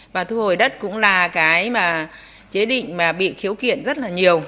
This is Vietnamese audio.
và thu hồi đất cũng là cái mà chế định mà bị khiếu kiện rất là nhiều